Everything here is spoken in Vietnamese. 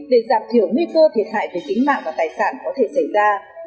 để giảm thiểu nguy cơ thiệt hại về tính mạng và tài sản có thể xảy ra